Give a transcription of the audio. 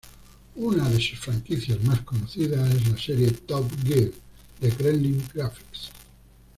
Una de sus franquicias más conocidas es la serie Top Gear de Gremlin Graphics.